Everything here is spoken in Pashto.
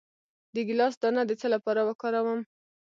د ګیلاس دانه د څه لپاره وکاروم؟